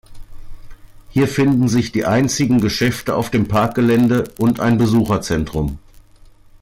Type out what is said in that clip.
Hier finden sich die einzigen Geschäfte auf dem Parkgelände und ein Besucherzentrum.